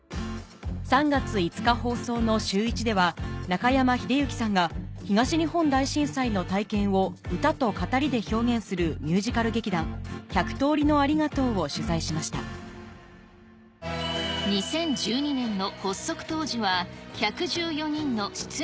３月５日放送の『シューイチ』では中山秀征さんが東日本大震災の体験を歌と語りで表現するミュージカル劇団「１００通りのありがとう」を取材しました２０１２年の。